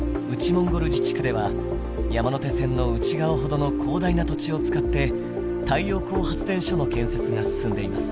モンゴル自治区では山手線の内側ほどの広大な土地を使って太陽光発電所の建設が進んでいます。